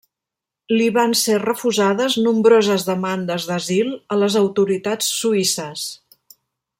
Li van ser refusades nombroses demandes d'asil a les autoritats suïsses.